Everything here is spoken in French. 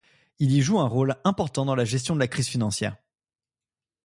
Il y joue un rôle important dans la gestion de la crise financière.